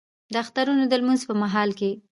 د اخترونو د لمونځ په مهال کې